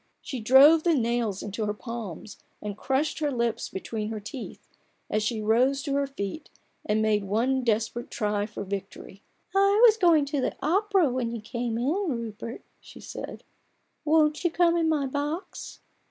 She drove the nails into her palms, and crushed her lips between her teeth, as she rose to her feet and made one desperate try for victory. " I was just going to the opera when you came in, Rupert/' she said ;" won't you come in my box